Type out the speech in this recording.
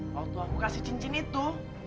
waktu aku kasih cincin itu